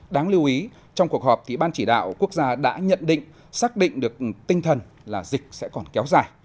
đáng lưu ý trong cuộc họp thì ban chỉ đạo quốc gia đã nhận định xác định được tinh thần là dịch sẽ còn kéo dài